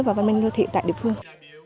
và văn minh đô thị tại địa phương